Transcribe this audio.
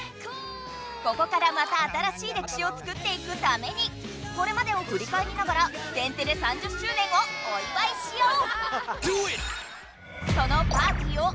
ここからまた新しい歴史をつくっていくためにこれまでをふりかえりながら天てれ３０周年をお祝いしよう！